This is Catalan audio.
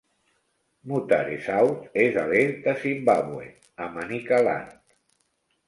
Mutare South és a l'est de Zimbabwe, a Manicaland.